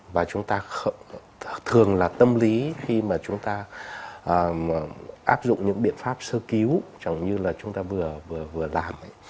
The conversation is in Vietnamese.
và chúng ta thường là tâm lý khi mà chúng ta áp dụng những biện pháp sơ cứu chẳng như là chúng ta vừa vừa làm